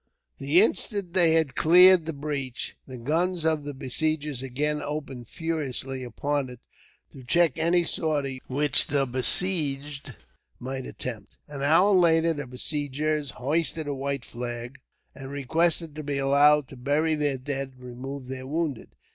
The instant they had cleared the breach, the guns of the besiegers again opened furiously upon it, to check any sortie which the besieged might attempt. An hour later, the besiegers hoisted a white flag, and requested to be allowed to bury their dead, and remove their wounded.